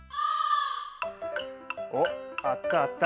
おっあったあった。